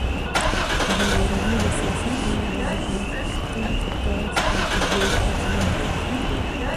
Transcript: ازادي راډیو د سیاست په اړه د حکومتي ستراتیژۍ ارزونه کړې.